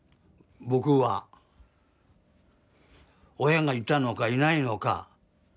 親がいたのかいないのか。